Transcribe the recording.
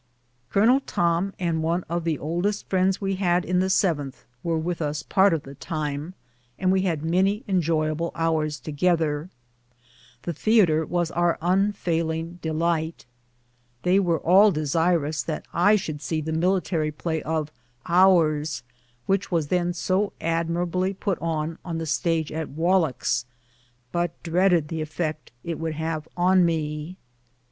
Colonel Tom and one of the oldest friends we had in the 7th were with us part of the time, and w^e had many enjoyable hours together. The theatre was our unfailing delight. They were all desirous that I should see the military play of " Ours," which was then so ad mirably put on the stage at Wallack's, but dreaded the effect it would have on me.